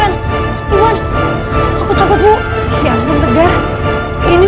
lalu kan ibu sembuh karena sumpit ini